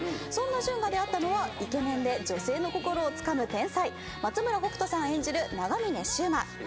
そんな純が出会ったのはイケメンで女性の心をつかむ天才松村北斗さん演じる長峰柊磨。